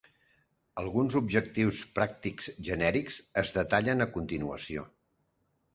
Alguns objectius pràctics genèrics es detallen a continuació.